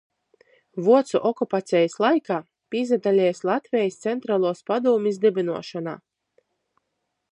Vuocu okupacejis laikā pīsadalejs Latvejis Centraluos padūmis dybynuošonā,